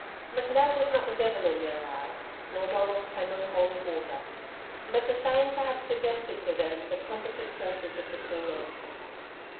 McNab was not the devil in their eyes, nor Donald Cameron holy water, but the saying perhaps suggested to them the composite forces of the two men.